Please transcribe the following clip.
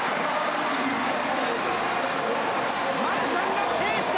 マルシャンが制した！